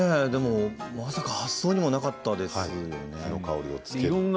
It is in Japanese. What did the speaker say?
でも、まさか発想にもなかったです、香りをつける。